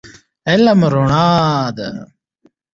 علم رڼا ده